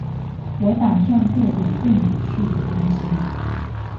我打算做點更有趣的東西